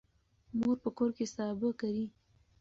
مور په کور کې سابه کري.